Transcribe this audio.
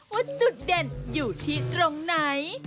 ว่าจุดเด่นอยู่ที่ตรงไหน